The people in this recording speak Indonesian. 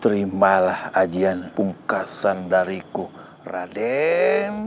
terimalah ajian pungkasan dariku raden